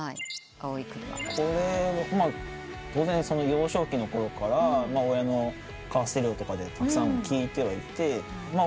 幼少期のころから親のカーステレオとかでたくさん聴いてはいて。